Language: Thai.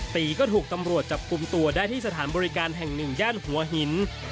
ตีก็ถูกตำรวจจับกลุ่มตัวได้ที่สถานบริการแห่งหนึ่งย่านหัวหิน